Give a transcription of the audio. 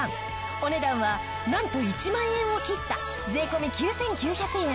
お値段はなんと１万円を切った税込９９００円！